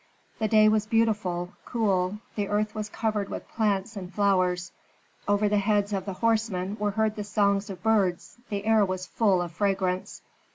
The day was beautiful, cool; the earth was covered with plants and flowers. Over the heads of the horsemen were heard the songs of birds, the air was full of fragrance.